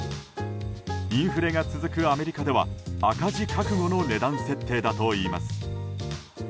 インフレが続くアメリカでは赤字覚悟の値段設定だといいます。